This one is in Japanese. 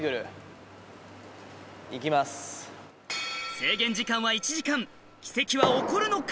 制限時間は１時間奇跡は起こるのか？